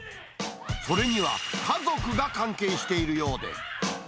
それには、家族が関係しているようで。